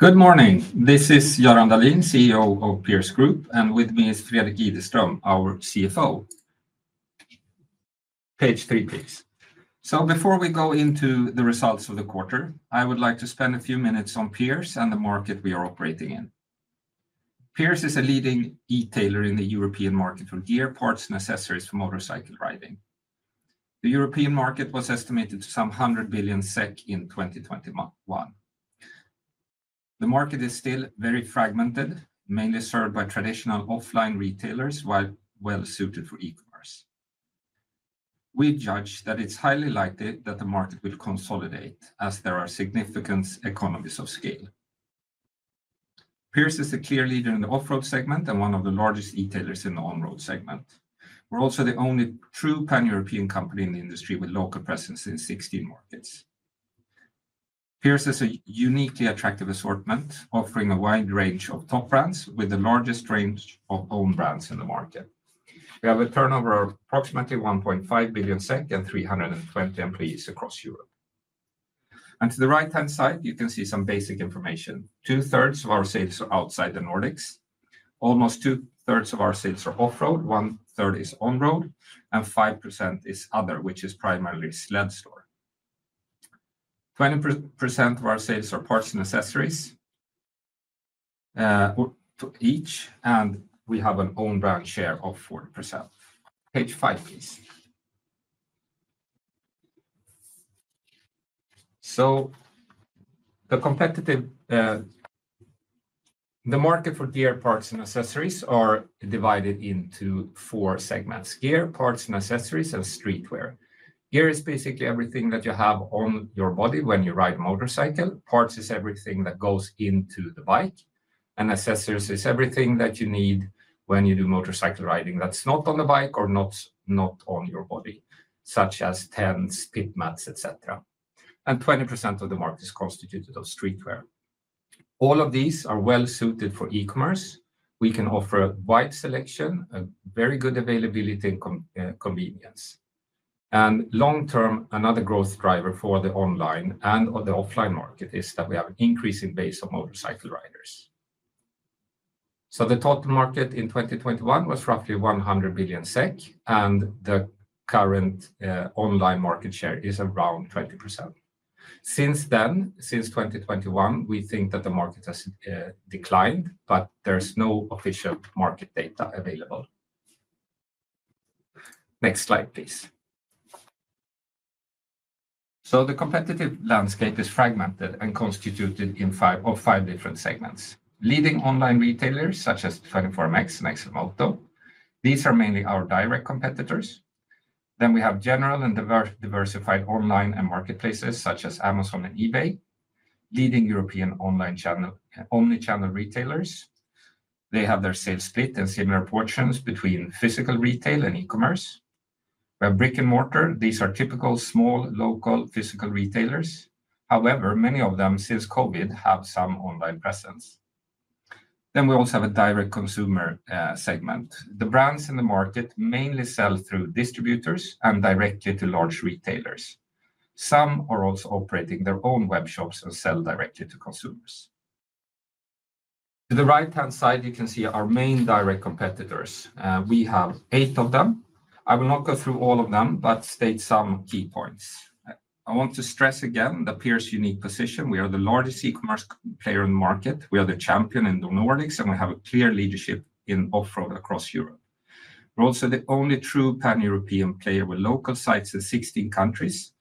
Good morning. This is Göran Dahlin, CEO of Pierce Group, and with me is Fredrik Ideström, our CFO. Page three, please. So before we go into the results of the quarter, I would like to spend a few minutes on Pierce and the market we are operating in. Pierce is a leading e-tailer in the European market for gear parts and accessories for motorcycle riding. The European market was estimated to some 100 billion SEK in 2021. The market is still very fragmented, mainly served by traditional offline retailers, while well-suited for e-commerce. We judge that it's highly likely that the market will consolidate, as there are significant economies of scale. Pierce is a clear leader in the off-road segment and one of the largest e-tailers in the on-road segment. We're also the only true pan-European company in the industry with a local presence in 16 markets. Pierce is a uniquely attractive assortment, offering a wide range of top brands, with the largest range of owned brands in the market. We have a turnover of approximately 1.5 billion SEK and 320 employees across Europe. To the right-hand side, you can see some basic information. Two-thirds of our sales are outside the Nordics. Almost two-thirds of our sales are off-road, one-third is on-road, and 5% is other, which is primarily Sledstore. 20% of our sales are parts and accessories each, and we have an owned brand share of 40%. Page five, please. The competitive market for gear parts and accessories is divided into four segments: gear, parts, and accessories, and streetwear. Gear is basically everything that you have on your body when you ride a motorcycle. Parts is everything that goes into the bike. Accessories is everything that you need when you do motorcycle riding that's not on the bike or not on your body, such as tents, pit mats, etc. 20% of the market is constituted of streetwear. All of these are well-suited for e-commerce. We can offer a wide selection, a very good availability, and convenience. Long-term, another growth driver for the online and the offline market is that we have an increasing base of motorcycle riders. The total market in 2021 was roughly 100 billion SEK, and the current online market share is around 20%. Since then, since 2021, we think that the market has declined, but there's no official market data available. Next slide, please. The competitive landscape is fragmented and constituted of five different segments. Leading online retailers, such as 24MX and XLMoto, these are mainly our direct competitors. Then we have general and diversified online and marketplaces, such as Amazon and eBay, leading European omnichannel retailers. They have their sales split and similar portions between physical retail and e-commerce. We have brick and mortar. These are typical small local physical retailers. However, many of them, since COVID, have some online presence. Then we also have a direct consumer segment. The brands in the market mainly sell through distributors and directly to large retailers. Some are also operating their own web shops and sell directly to consumers. To the right-hand side, you can see our main direct competitors. We have eight of them. I will not go through all of them, but state some key points. I want to stress again the Pierce unique position. We are the largest e-commerce player in the market. We are the champion in the Nordics, and we have a clear leadership in off-road across Europe. We're also the only true pan-European player with local sites in 16 countries.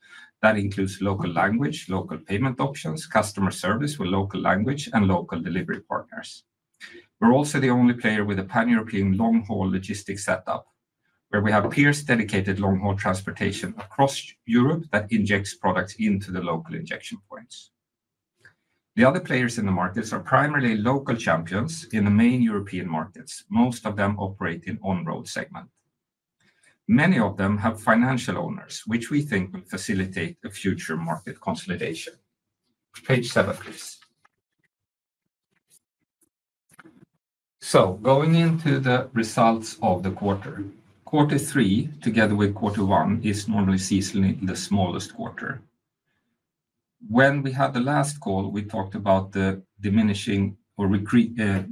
That includes local language, local payment options, customer service with local language, and local delivery partners. We're also the only player with a pan-European long-haul logistics setup, where we have Pierce dedicated long-haul transportation across Europe that injects products into the local injection points. The other players in the markets are primarily local champions in the main European markets. Most of them operate in the on-road segment. Many of them have financial owners, which we think will facilitate a future market consolidation. Page seven, please. So going into the results of the quarter, quarter three, together with quarter one, is normally seasonally the smallest quarter. When we had the last call, we talked about the diminishing or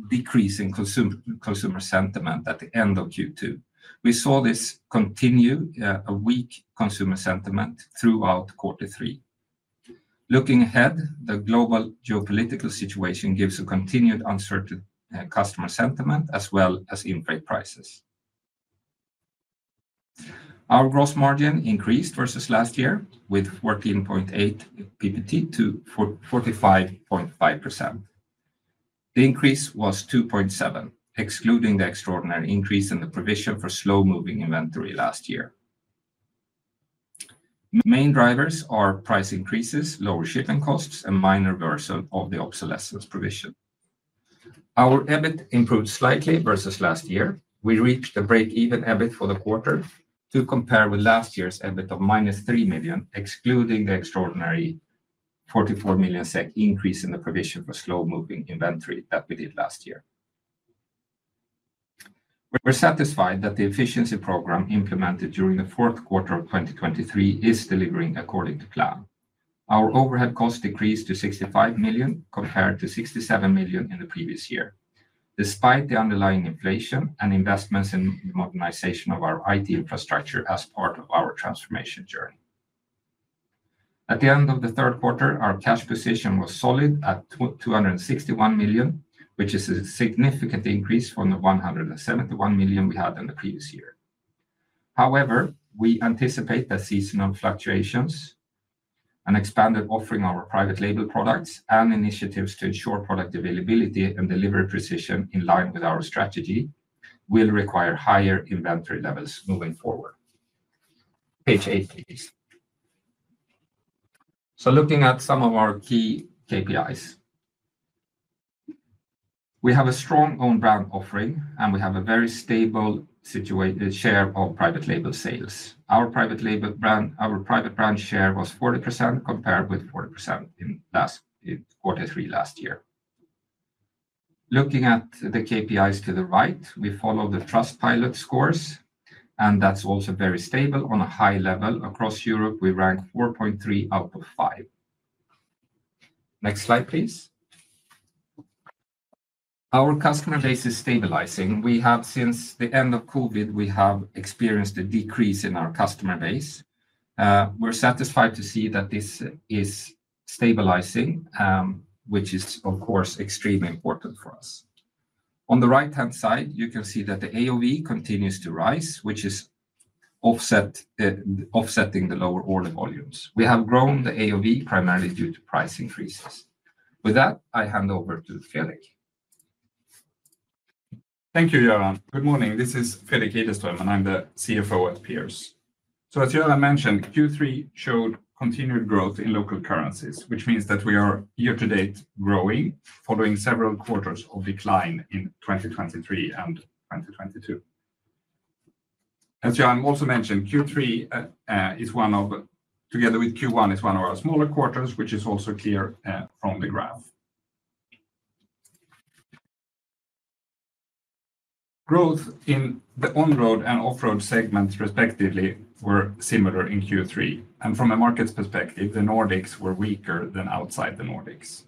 decreasing consumer sentiment at the end of Q2. We saw this continue a weak consumer sentiment throughout quarter three. Looking ahead, the global geopolitical situation gives a continued uncertain customer sentiment, as well as input prices. Our gross margin increased versus last year with 14.8 percentage points to 45.5%. The increase was 2.7, excluding the extraordinary increase in the provision for slow-moving inventory last year. Main drivers are price increases, lower shipping costs, and minor reversal of the obsolescence provision. Our EBIT improved slightly versus last year. We reached a break-even EBIT for the quarter to compare with last year's EBIT of minus three million, excluding the extraordinary 44 million SEK increase in the provision for slow-moving inventory that we did last year. We're satisfied that the efficiency program implemented during the fourth quarter of 2023 is delivering according to plan. Our overhead costs decreased to 65 million compared to 67 million in the previous year, despite the underlying inflation and investments in modernization of our IT infrastructure as part of our transformation journey. At the end of the third quarter, our cash position was solid at 261 million, which is a significant increase from the 171 million we had in the previous year. However, we anticipate that seasonal fluctuations and expanded offering our private label products and initiatives to ensure product availability and delivery precision in line with our strategy will require higher inventory levels moving forward. Page eight, please. So looking at some of our key KPIs, we have a strong owned brand offering, and we have a very stable share of private label sales. Our private brand share was 40% compared with 40% in quarter three last year. Looking at the KPIs to the right, we follow the Trustpilot scores, and that's also very stable on a high level across Europe. We rank 4.3 out of 5. Next slide, please. Our customer base is stabilizing. Since the end of COVID, we have experienced a decrease in our customer base. We're satisfied to see that this is stabilizing, which is, of course, extremely important for us. On the right-hand side, you can see that the AOV continues to rise, which is offsetting the lower order volumes. We have grown the AOV primarily due to price increases. With that, I hand over to Fredrik. Thank you, Göran. Good morning. This is Fredrik Ideström, and I'm the CFO at Pierce. So as Göran mentioned, Q3 showed continued growth in local currencies, which means that we are year-to-date growing, following several quarters of decline in 2023 and 2022. As Göran also mentioned, Q3 is one of, together with Q1, our smaller quarters, which is also clear from the graph. Growth in the on-road and off-road segments, respectively, were similar in Q3. From a market perspective, the Nordics were weaker than outside the Nordics.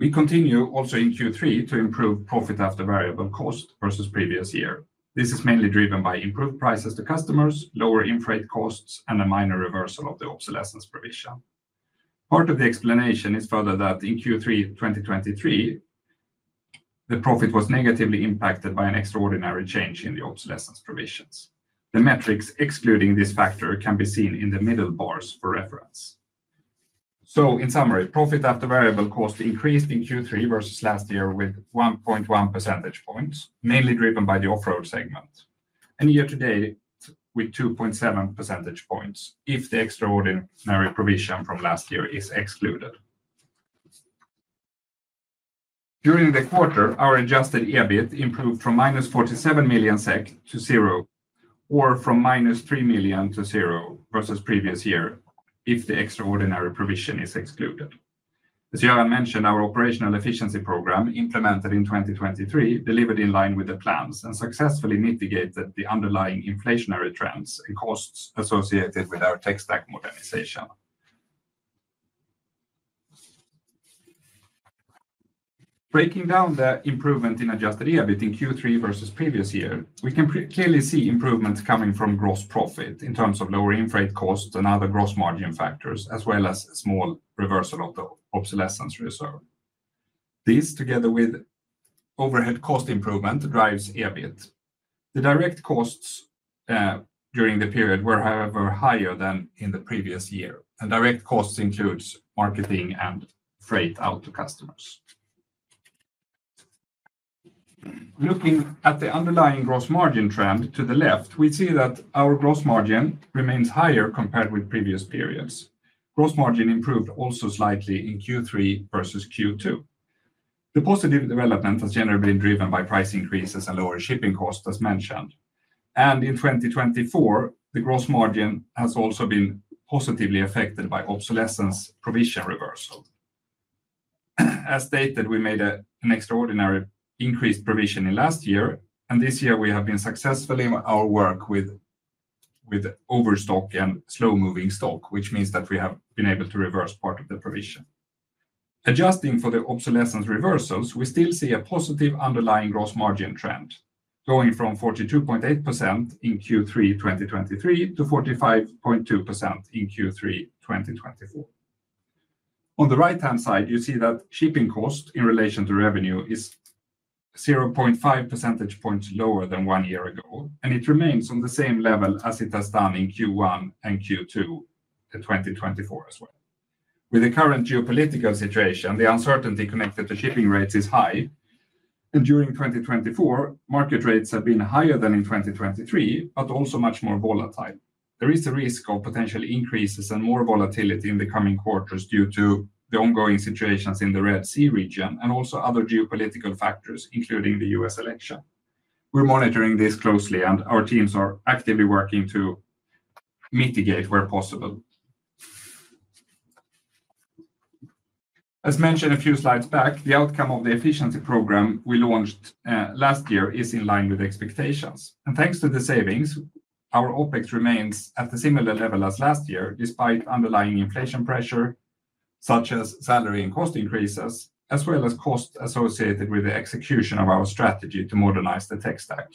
We continue also in Q3 to improve profit after variable cost versus previous year. This is mainly driven by improved prices to customers, lower freight costs, and a minor reversal of the obsolescence provision. Part of the explanation is further that in Q3 2023, the profit was negatively impacted by an extraordinary change in the obsolescence provisions. The metrics excluding this factor can be seen in the middle bars for reference. So in summary, profit after variable cost increased in Q3 versus last year with 1.1 percentage points, mainly driven by the off-road segment, and year-to-date with 2.7 percentage points if the extraordinary provision from last year is excluded. During the quarter, our adjusted EBIT improved from minus 47 million SEK to zero, or from minus 3 million SEK to zero versus previous year if the extraordinary provision is excluded. As Göran mentioned, our operational efficiency program implemented in 2023 delivered in line with the plans and successfully mitigated the underlying inflationary trends and costs associated with our tech stack modernization. Breaking down the improvement in adjusted EBIT in Q3 versus previous year, we can clearly see improvements coming from gross profit in terms of lower freight costs and other gross margin factors, as well as a small reversal of the obsolescence reserve. This, together with overhead cost improvement, drives EBIT. The direct costs during the period were, however, higher than in the previous year, and direct costs include marketing and freight out to customers. Looking at the underlying gross margin trend to the left, we see that our gross margin remains higher compared with previous periods. Gross margin improved also slightly in Q3 versus Q2. The positive development has generally been driven by price increases and lower shipping costs, as mentioned, and in 2024, the gross margin has also been positively affected by obsolescence provision reversal. As stated, we made an extraordinary increased provision last year, and this year we have been successful in our work with overstock and slow-moving stock, which means that we have been able to reverse part of the provision. Adjusting for the obsolescence reversals, we still see a positive underlying gross margin trend, going from 42.8% in Q3 2023 to 45.2% in Q3 2024. On the right-hand side, you see that shipping cost in relation to revenue is 0.5 percentage points lower than one year ago, and it remains on the same level as it has done in Q1 and Q2 2024 as well. With the current geopolitical situation, the uncertainty connected to shipping rates is high, and during 2024, market rates have been higher than in 2023, but also much more volatile. There is a risk of potential increases and more volatility in the coming quarters due to the ongoing situations in the Red Sea region and also other geopolitical factors, including the U.S. election. We're monitoring this closely, and our teams are actively working to mitigate where possible. As mentioned a few slides back, the outcome of the efficiency program we launched last year is in line with expectations, and thanks to the savings, our OpEx remains at a similar level as last year, despite underlying inflation pressure, such as salary and cost increases, as well as costs associated with the execution of our strategy to modernize the tech stack.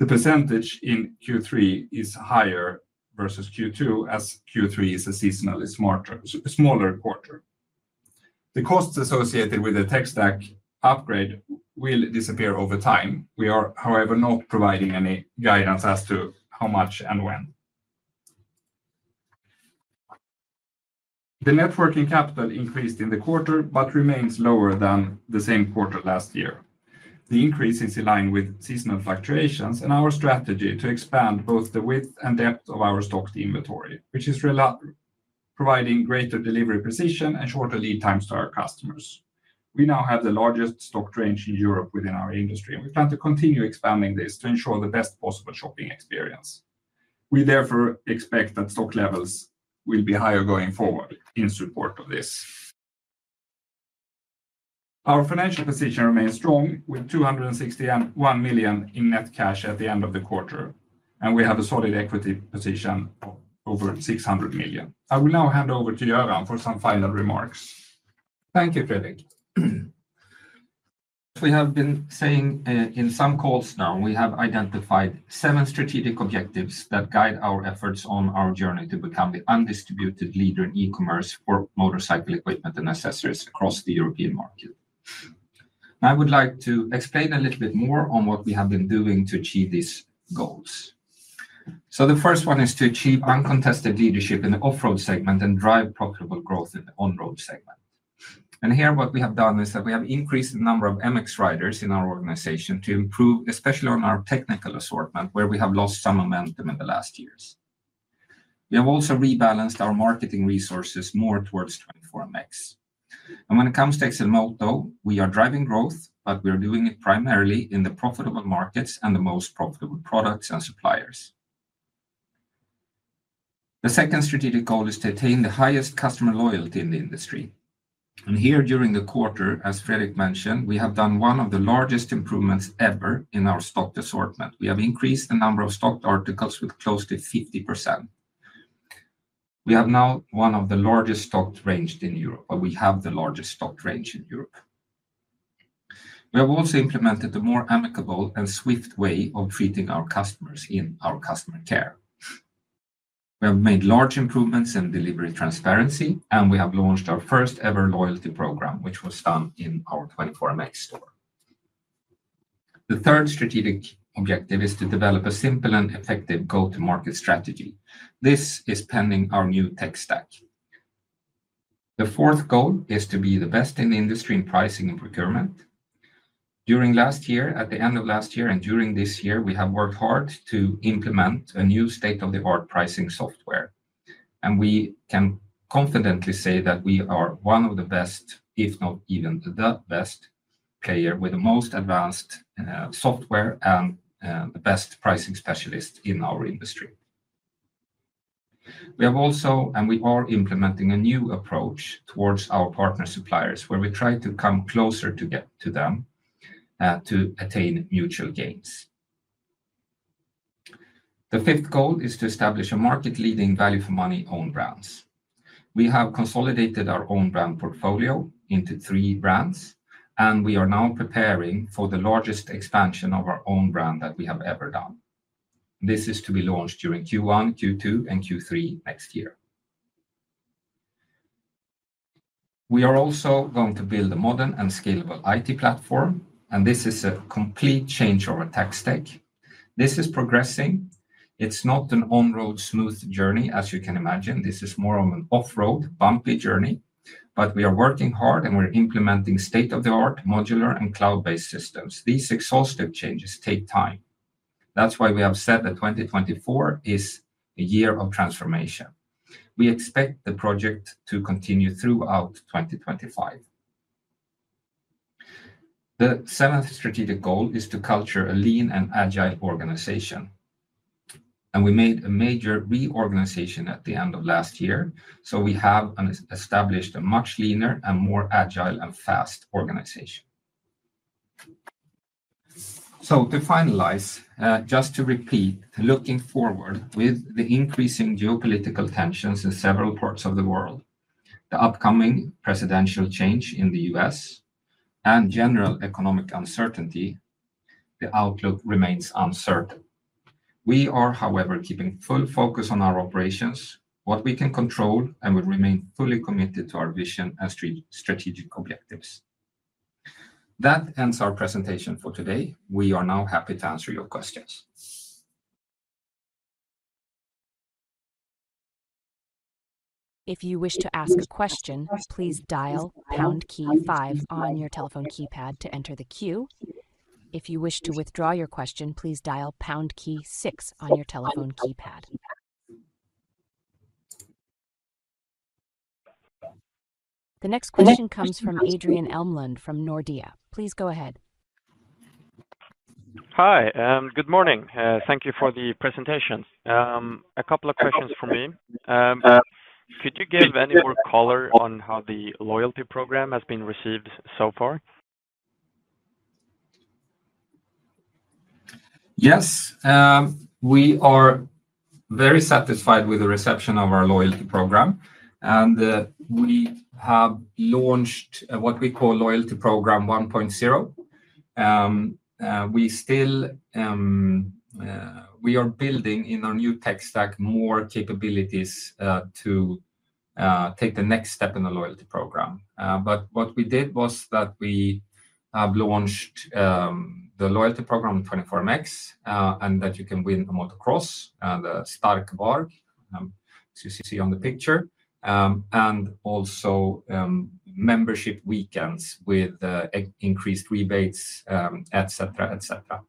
The percentage in Q3 is higher versus Q2, as Q3 is a seasonally smaller quarter. The costs associated with the tech stack upgrade will disappear over time. We are, however, not providing any guidance as to how much and when. The net working capital increased in the quarter, but remains lower than the same quarter last year. The increase is in line with seasonal fluctuations and our strategy to expand both the width and depth of our stocked inventory, which is providing greater delivery precision and shorter lead times to our customers. We now have the largest stocked range in Europe within our industry, and we plan to continue expanding this to ensure the best possible shopping experience. We, therefore, expect that stock levels will be higher going forward in support of this. Our financial position remains strong with 261 million in net cash at the end of the quarter, and we have a solid equity position of over 600 million. I will now hand over to Göran for some final remarks. Thank you, Fredrik. As we have been saying in some calls now, we have identified seven strategic objectives that guide our efforts on our journey to become the undisputed leader in e-commerce for motorcycle equipment and accessories across the European market. I would like to explain a little bit more on what we have been doing to achieve these goals. So the first one is to achieve uncontested leadership in the off-road segment and drive profitable growth in the on-road segment. And here, what we have done is that we have increased the number of MX riders in our organization to improve, especially on our technical assortment, where we have lost some momentum in the last years. We have also rebalanced our marketing resources more towards 24MX. When it comes to XLMoto, we are driving growth, but we are doing it primarily in the profitable markets and the most profitable products and suppliers. The second strategic goal is to attain the highest customer loyalty in the industry. Here, during the quarter, as Fredrik mentioned, we have done one of the largest improvements ever in our stocked assortment. We have increased the number of stocked articles with close to 50%. We have now one of the largest stocked ranges in Europe, or we have the largest stocked range in Europe. We have also implemented a more amicable and swift way of treating our customers in our customer care. We have made large improvements in delivery transparency, and we have launched our first-ever loyalty program, which was done in our 24MX store. The third strategic objective is to develop a simple and effective go-to-market strategy. This is pending our new tech stack. The fourth goal is to be the best in the industry in pricing and procurement. During last year, at the end of last year, and during this year, we have worked hard to implement a new state-of-the-art pricing software, and we can confidently say that we are one of the best, if not even the best, player with the most advanced software and the best pricing specialist in our industry. We have also, and we are implementing a new approach towards our partner suppliers, where we try to come closer to them to attain mutual gains. The fifth goal is to establish a market-leading value-for-money owned brands. We have consolidated our own brand portfolio into three brands, and we are now preparing for the largest expansion of our own brand that we have ever done. This is to be launched during Q1, Q2, and Q3 next year. We are also going to build a modern and scalable IT platform, and this is a complete change of our tech stack. This is progressing. It's not an on-road smooth journey, as you can imagine. This is more of an off-road, bumpy journey. But we are working hard, and we're implementing state-of-the-art modular and cloud-based systems. These exhaustive changes take time. That's why we have said that 2024 is a year of transformation. We expect the project to continue throughout 2025. The seventh strategic goal is to cultivate a lean and agile organization. And we made a major reorganization at the end of last year. So we have established a much leaner and more agile and fast organization. So to finalize, just to repeat, looking forward with the increasing geopolitical tensions in several parts of the world, the upcoming presidential change in the U.S., and general economic uncertainty, the outlook remains uncertain. We are, however, keeping full focus on our operations, what we can control, and we remain fully committed to our vision and strategic objectives. That ends our presentation for today. We are now happy to answer your questions. If you wish to ask a question, please dial pound key five on your telephone keypad to enter the queue. If you wish to withdraw your question, please dial pound key six on your telephone keypad. The next question comes from Adrian Elmlund from Nordea. Please go ahead. Hi, and good morning. Thank you for the presentation. A couple of questions for me. Could you give any more color on how the loyalty program has been received so far? Yes. We are very satisfied with the reception of our loyalty program, and we have launched what we call Loyalty Program 1.0. We are building in our new tech stack more capabilities to take the next step in the loyalty program, but what we did was that we have launched the loyalty program in 24MX and that you can win a motocross and a Stark Varg, as you see on the picture, and also membership weekends with increased rebates, et cetera, et cetera.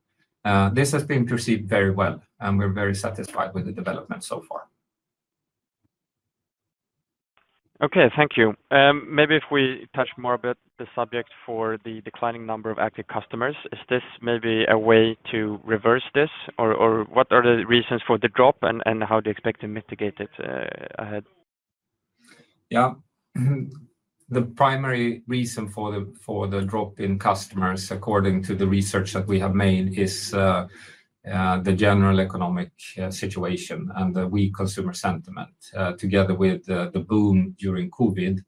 This has been perceived very well, and we're very satisfied with the development so far. Okay, thank you. Maybe if we touch more about the subject for the declining number of active customers, is this maybe a way to reverse this, or what are the reasons for the drop and how do you expect to mitigate it ahead? Yeah. The primary reason for the drop in customers, according to the research that we have made, is the general economic situation and the weak consumer sentiment together with the boom during COVID.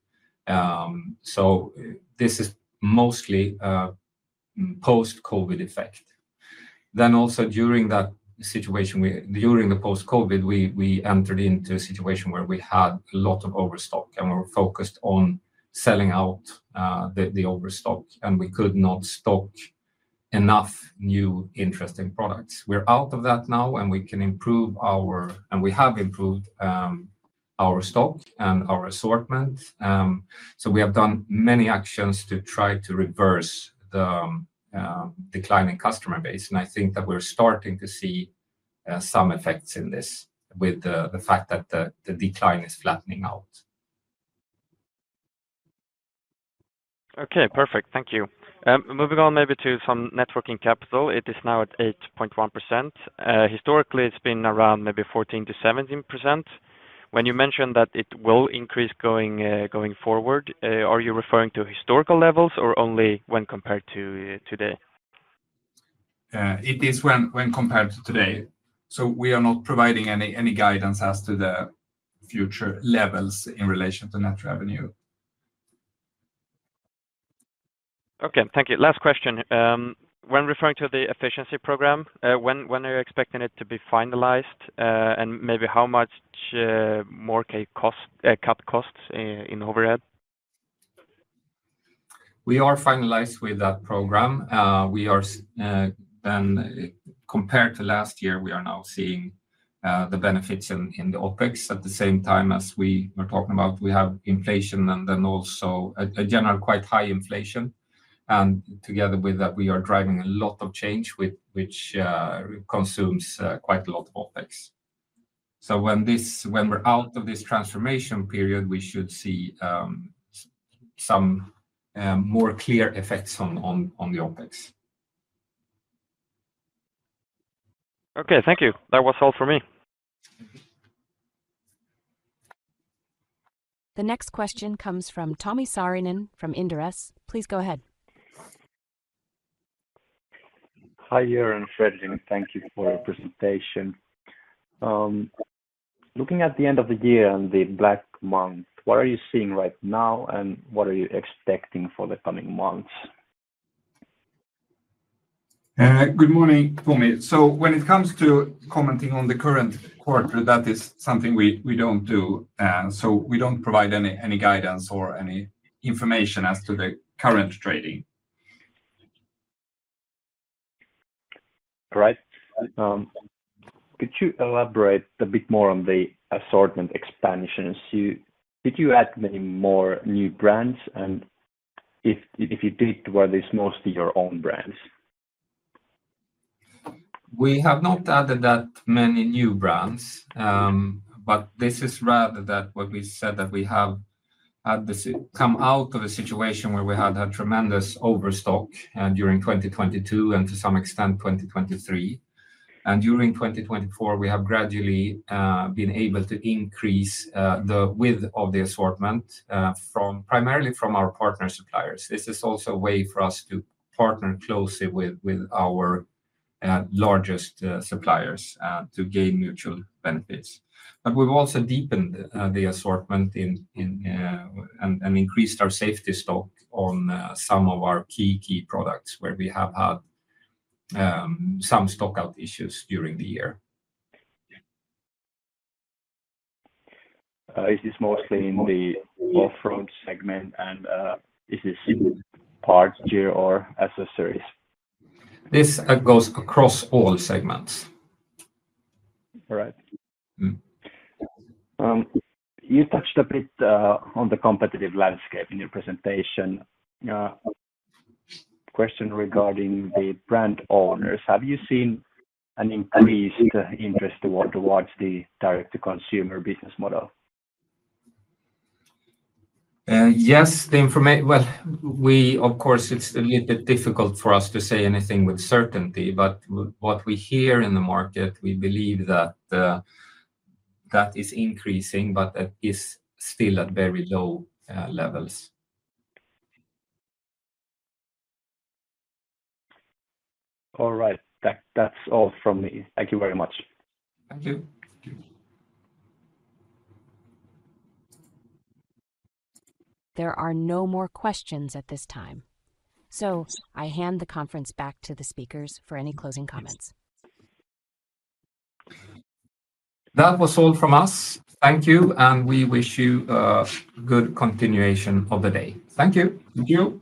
So this is mostly a post-COVID effect. Then also during that situation, during the post-COVID, we entered into a situation where we had a lot of overstock, and we were focused on selling out the overstock, and we could not stock enough new interesting products. We're out of that now, and we can improve our, and we have improved our stock and our assortment. So we have done many actions to try to reverse the declining customer base. And I think that we're starting to see some effects in this with the fact that the decline is flattening out. Okay, perfect. Thank you. Moving on maybe to some working capital. It is now at 8.1%. Historically, it's been around maybe 14%-17%. When you mentioned that it will increase going forward, are you referring to historical levels or only when compared to today? It is when compared to today. So we are not providing any guidance as to the future levels in relation to net revenue. Okay, thank you. Last question. When referring to the efficiency program, when are you expecting it to be finalized and maybe how much more cut costs in overhead? We are finalized with that program. Then compared to last year, we are now seeing the benefits in the OpEx. At the same time as we were talking about, we have inflation and then also a general quite high inflation. And together with that, we are driving a lot of change, which consumes quite a lot of OpEx. So when we're out of this transformation period, we should see some more clear effects on the OpEx. Okay, thank you. That was all for me. The next question comes from Tomi Saarinen from Inderes. Please go ahead. Hi, Göran and Fredrik. Thank you for your presentation. Looking at the end of the year and the Black Month, what are you seeing right now and what are you expecting for the coming months? Good morning Tomi. So when it comes to commenting on the current quarter, that is something we don't do. So we don't provide any guidance or any information as to the current trading. All right. Could you elaborate a bit more on the assortment expansions? Could you add many more new brands? And if you did, were these mostly your own brands? We have not added that many new brands, but this is rather what we said that we have come out of a situation where we had a tremendous overstock during 2022 and to some extent 2023. And during 2024, we have gradually been able to increase the width of the assortment primarily from our partner suppliers. This is also a way for us to partner closely with our largest suppliers to gain mutual benefits. But we've also deepened the assortment and increased our safety stock on some of our key products where we have had some stock-out issues during the year. Is this mostly in the off-road segment and is this parts gear or accessories? This goes across all segments. All right. You touched a bit on the competitive landscape in your presentation. Question regarding the brand owners. Have you seen an increased interest towards the direct-to-consumer business model? Yes, well, of course, it's a little bit difficult for us to say anything with certainty, but what we hear in the market, we believe that that is increasing, but that is still at very low levels. All right. That's all from me. Thank you very much. Thank you. There are no more questions at this time. So I hand the conference back to the speakers for any closing comments. That was all from us. Thank you, and we wish you a good continuation of the day. Thank you. Thank you.